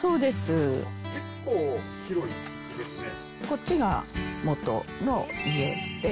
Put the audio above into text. こっちが元の家で。